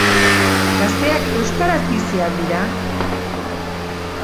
Gazteak euskaraz bizi al dira?